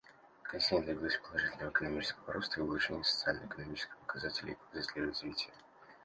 Континент добился положительного экономического роста и улучшения социально-экономических показателей и показателей развития.